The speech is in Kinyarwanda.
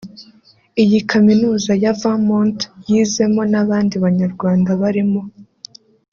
Iyi kaminuza ya Vermont yizemo n’abandi Banyarwanda barimo